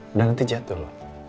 udah nanti jatuh loh